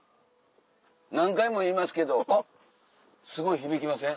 何回も言いますけどあっすごい響きません？